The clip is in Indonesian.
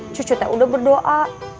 cucu teh udah berdoa